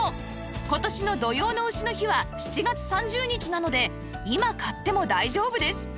今年の土用の丑の日は７月３０日なので今買っても大丈夫です